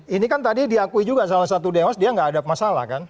ini kan tadi diakui juga salah satu dewas dia nggak ada masalah kan